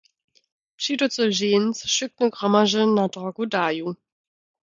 Pśiducy źeń se wšykne gromaźe na drogu daju.